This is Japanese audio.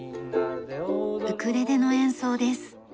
ウクレレの演奏です。